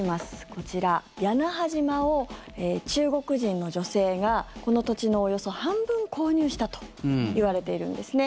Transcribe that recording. こちら、屋那覇島を中国人の女性がこの土地のおよそ半分購入したといわれているんですね。